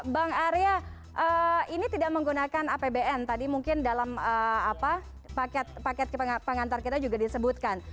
bang arya ini tidak menggunakan apbn tadi mungkin dalam paket paket pengantar kita juga disebutkan